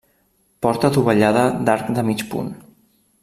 Porta dovellada d'arc de mig punt.